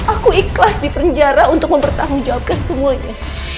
aku ikhlas di penjara untuk mempertanggungjawabkan semuanya